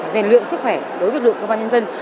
rèn luyện sức khỏe đối với lực lượng công an nhân dân